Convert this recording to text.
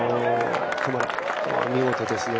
見事ですね。